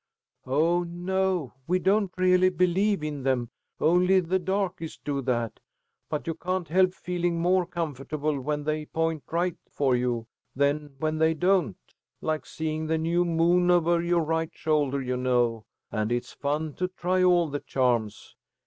"Oh, no, we don't really believe in them. Only the darkies do that. But you can't help feeling more comfortable when they 'point right' for you than when they don't; like seeing the new moon over your right shoulder, you know. And it's fun to try all the charms.